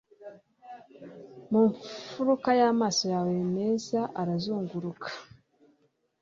Ku mfuruka yamaso yawe meza arazunguruka